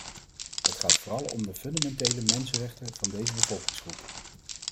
Het gaat vooral om de fundamentele mensenrechten van deze bevolkingsgroep.